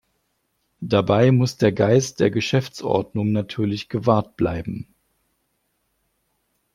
Dabei muss der Geist der Geschäftsordnung natürlich gewahrt bleiben.